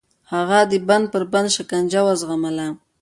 هغه د بند پر بند شکنجه وزغمله.